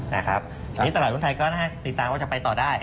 อันนี้ตลาดหุ้นไทยก็ติดตามว่าจะไปต่อได้